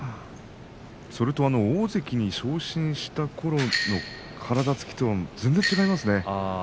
それと大関に昇進したころと体つきが全然違いますね。